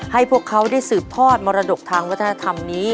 พวกเขาได้สืบทอดมรดกทางวัฒนธรรมนี้